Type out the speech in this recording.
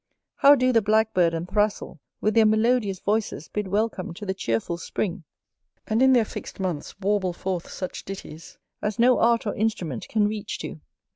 How do the Blackbird and Thrassel with their melodious voices bid welcome to the cheerful Spring, and in their fixed months warble forth such ditties as no art or instrument can reach to!